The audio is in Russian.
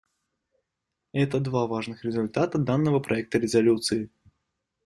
Это два важных результата данного проекта резолюции.